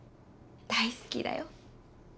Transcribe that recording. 大好きだよ。